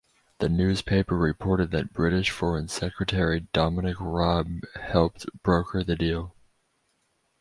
The newspaper reported that British Foreign Secretary Dominic Raab "helped broker the deal".